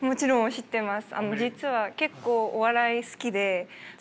知ってます。